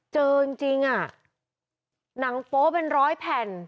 เจอจริงอ่ะ